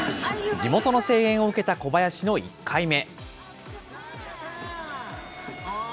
地元の声援を受けた小林の１回目。